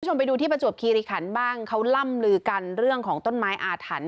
ไปดูที่ประจวบคีริขันบ้างเขาล่ำลือกันเรื่องของต้นไม้อาถรรพ์